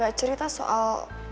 gak cerita soal cewek itu sama gue